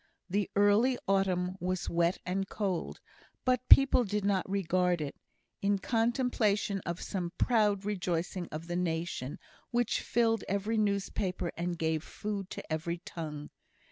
The early autumn was wet and cold, but people did not regard it, in contemplation of some proud rejoicing of the nation, which filled every newspaper and gave food to every tongue.